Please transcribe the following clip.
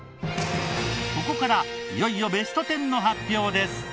ここからいよいよベスト１０の発表です。